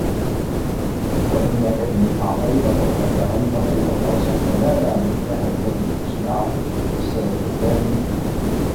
وَإِنَّك إنْ أَعْطَيْتَ بَطْنَك هَمَّهُ وَفَرْجَك نَالَا مُنْتَهَى الذَّمِّ أَجْمَعَا وَالسَّبَبُ الثَّانِي